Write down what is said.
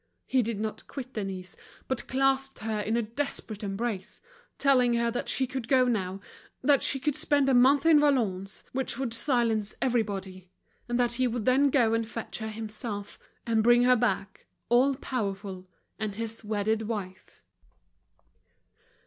He did not quit Denise, but clasped her in a desperate embrace, telling her that she could now go, that she could spend a month at Valognes, which would silence everybody, and that he would then go and fetch her himself, and bring her back, all powerful, and his wedded wife.